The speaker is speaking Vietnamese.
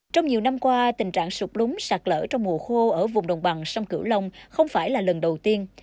trong nhiều năm qua tình trạng sụp lúng sạt lỡ trong mùa khô ở vùng đồng bằng sông cửu long không phải là lần đầu tiên